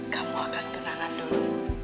kamu akan tunangan dulu